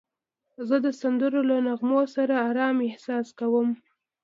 زه د سندرو له نغمو سره آرام احساس کوم.